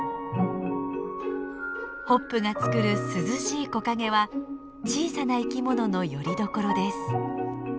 ホップがつくる涼しい木陰は小さな生きもののよりどころです。